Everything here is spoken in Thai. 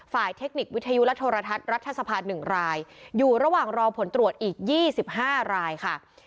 เทคนิควิทยุและโทรทัศน์รัฐสภา๑รายอยู่ระหว่างรอผลตรวจอีก๒๕รายค่ะ